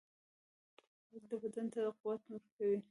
خوړل بدن ته قوت ورکوي